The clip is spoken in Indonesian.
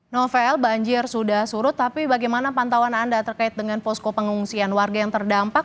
novel banjir sudah surut tapi bagaimana pantauan anda terkait dengan posko pengungsian warga yang terdampak